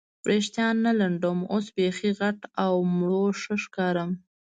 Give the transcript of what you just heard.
وریښتان نه لنډوم، اوس بیخي غټه او مړوښه ښکارم.